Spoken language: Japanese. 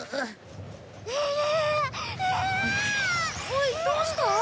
おいどうした？